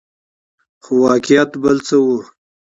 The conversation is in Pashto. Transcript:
خو واقعیت بل څه وو.